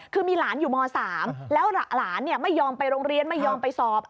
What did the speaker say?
คือมีหลานอยู่ม๓แล้วหลานไม่ยอมไปโรงเรียนไม่ยอมไปสอบ